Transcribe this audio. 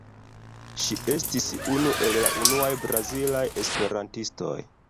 Ŝi estis unu el la unuaj brazilaj esperantistoj.